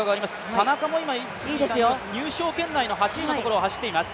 田中も今、入賞圏内の８位のところを走っています。